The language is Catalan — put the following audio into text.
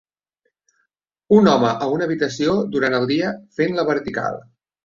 Un home a una habitació durant el dia fent la vertical.